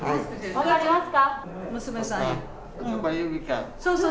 分かります。